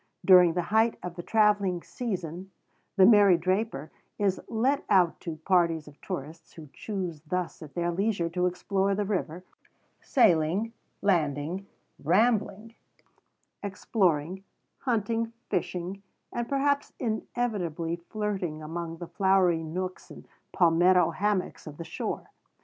During the height of the travelling season "The Mary Draper" is let out to parties of tourists, who choose thus at their leisure to explore the river, sailing, landing, rambling, exploring, hunting, fishing, and perhaps inevitably flirting among the flowery nooks and palmetto hammocks of the shore.